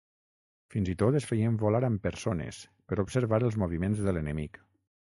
Fins i tot, es feien volar amb persones, per observar els moviments de l'enemic.